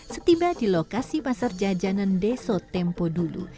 setiba di lokasi pasar jajanan deso tempo dulu